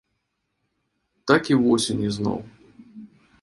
Так і восень ізноў.